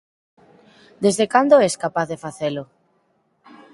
Desde cando es capaz de facelo?